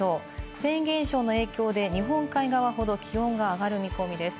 フェーン現象の影響で日本海側ほど気温が上がる見込みです。